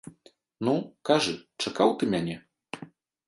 Ну, кажы, чакаў ты мяне?